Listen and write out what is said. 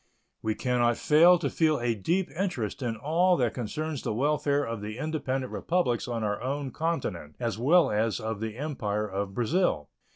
We can not fail to feel a deep interest in all that concerns the welfare of the independent Republics on our own continent, as well as of the Empire of Brazil.